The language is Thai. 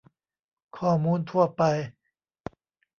ข้อมูลทั่วไป